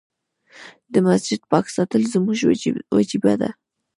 د مسجد پاک ساتل زموږ وجيبه ده.